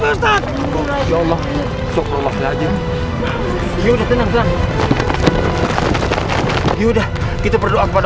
pak ustadz tadi makin menyempit pak ustadz